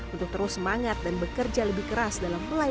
untuk terus semangat dan bekerja lebih keras dalam belajar